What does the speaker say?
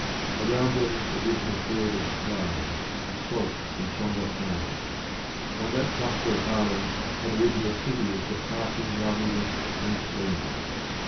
Around them the dismal field of slime, the salt and sombre plain. On that cluster of islands had arisen a city of surpassing loveliness and splendour.